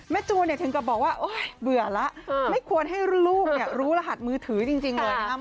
จูนถึงกับบอกว่าเบื่อแล้วไม่ควรให้ลูกรู้รหัสมือถือจริงเลยนะครับ